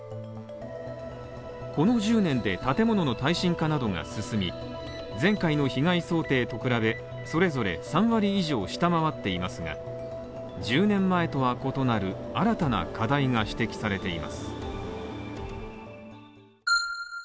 この１０年で建物の耐震化などが進み、前回の被害想定と比べ、それぞれ３割以上下回っていますが、１０年前とは異なる新たな課題が指摘されています。